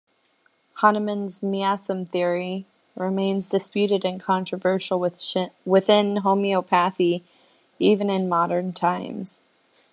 Hahnemann's miasm theory remains disputed and controversial within homeopathy even in modern times.